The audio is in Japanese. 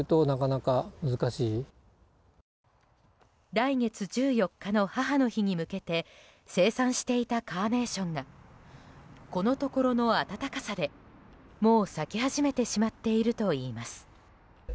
来月１４日の母の日に向けて生産していたカーネーションがこのところの暖かさでもう咲き始めてしまっているといいます。